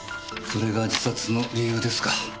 それが自殺の理由ですか。